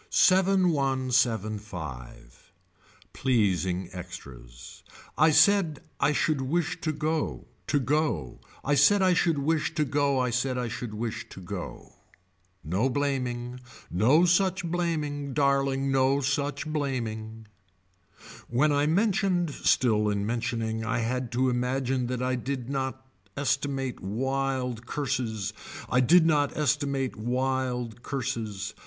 Seven one seven five. Pleasing extras. I said I should wish to go, to go, I said I should wish to go I said I should wish to go. No blaming, no such blaming, darling no such blaming. When I mentioned still in mentioning I had to imagine that I did not estimate wild curses. I did not estimate wild curses.